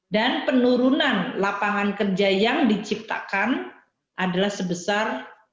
dan penurunan lapangan kerja yang diciptakan adalah sebesar